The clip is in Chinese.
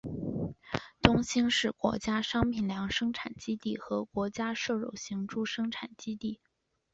东兴是国家商品粮生产基地和国家瘦肉型猪生产基地。